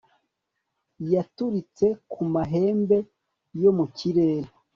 yaturitse ku mahembe yo mu kirere